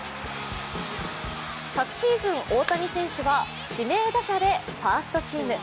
昨シーズン、大谷選手は指名打者でファーストチーム。